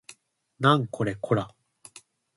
なんこれこら